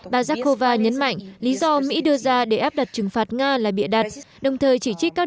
bà jakova nhấn mạnh lý do mỹ đưa ra để áp đặt trừng phạt nga là bịa đặt đồng thời chỉ trích các